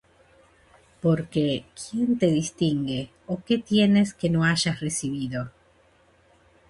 Porque ¿quién te distingue? ¿ó qué tienes que no hayas recibido?